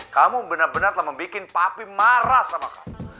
kamu bener bener telah membuat papi marah sama kamu